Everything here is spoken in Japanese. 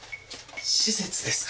施設ですか？